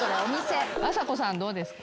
あさこさんどうですか？